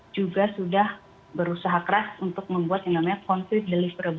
juga sudah berusaha keras untuk membuat yang namanya conflit deliverable